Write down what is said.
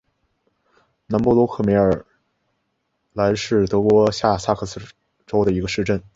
南布罗克梅尔兰是德国下萨克森州的一个市镇。